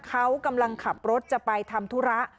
เขากำลังขับรถจะไปทำธุระ